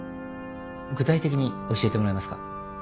具体的に教えてもらえますか？